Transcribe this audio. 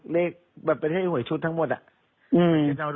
เลขบัตรประเทศอี้ห่วยชุดทั้งหมดอ่ะ